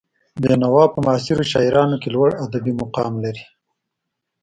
بېنوا په معاصرو شاعرانو کې لوړ ادبي مقام لري.